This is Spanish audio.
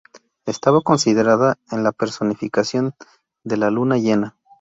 Estaba considerada la personificación de la luna llena.